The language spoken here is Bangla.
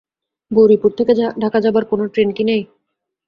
গৌরীপুর থেকে ঢাকা যাবার কোনো ট্রেন কি নেই?